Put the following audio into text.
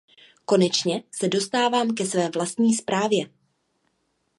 Konečně se dostávám ke své vlastní zprávě.